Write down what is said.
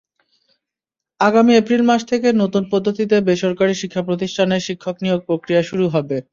আগামী এপ্রিল মাস থেকে নতুন পদ্ধতিতে বেসরকারি শিক্ষাপ্রতিষ্ঠানে শিক্ষক নিয়োগ-প্রক্রিয়া শুরু হবে।